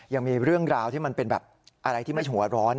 ยังมีเรื่องราวที่มันเป็นแบบอะไรที่ไม่หัวร้อน